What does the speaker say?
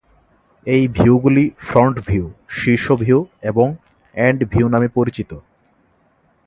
এই ভিউগুলি "front view", "শীর্ষ ভিউ" এবং "এন্ড ভিউ" নামে পরিচিত।